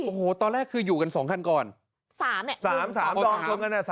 โอ้โหตอนแรกอยู่กัน๒คันก่อน